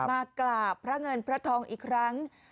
มากราบพระเงินพระทองอีกครั้ง